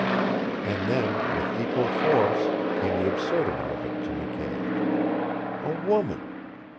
And then, with equal force, came the absurdity of it to McKay. A woman!